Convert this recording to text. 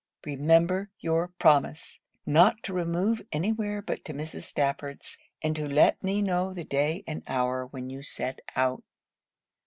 Remember your promise not to remove any where but to Mrs. Stafford's; and to let me know the day and hour when you set out.